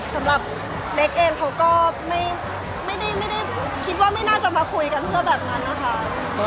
สำหรับเล็กเองเขาก็ไม่ได้คิดว่าไม่น่าจะมาคุยกันเพื่อแบบนั้นนะคะ